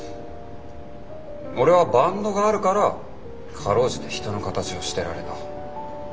俺はバンドがあるから辛うじて人の形をしてられた。